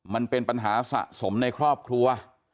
มันเป็นปัญหาสะสมในครอบครัว